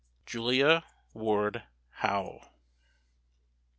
JULIA WARD HOWE.